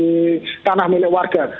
dari tanah milik warga